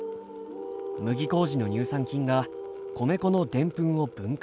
麦麹の乳酸菌が米粉のでんぷんを分解。